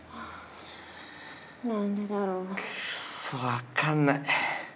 分かんない。